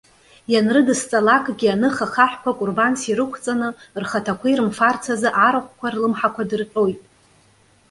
Ианрыдысҵалакгьы аныха хаҳәқәа кәырбанс ирықәҵаны, рхаҭақәа ирымфарц азы арахәқәа рлымҳақәа дырҟьоит.